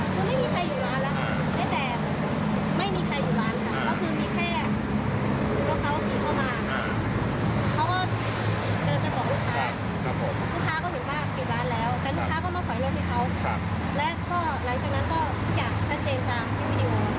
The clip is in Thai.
คือมีแค่ลูกค้าขี่เข้ามาเขาก็เดินไปบอกลูกค้าลูกค้าก็ถึงบ้านปิดร้านแล้วแต่ลูกค้าก็มาถอยรถให้เขาแล้วก็หลังจากนั้นก็อย่างชัดเจนตามที่วีดีโอ